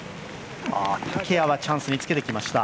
竹谷はチャンスにつけてきました。